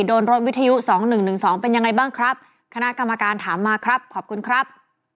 โดนรถวิทยุ๒๑๑๒เป็นยังไงบ้างครับคณะกรรมการถามมาครับขอบคุณครับ